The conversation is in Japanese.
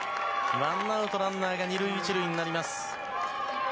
ワンアウトランナーが２塁１塁になります。